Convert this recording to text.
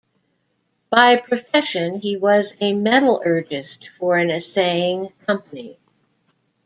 By profession, he was a metallurgist for an assaying company.